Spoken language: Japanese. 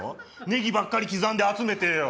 ネギばっかり刻んで集めてよ。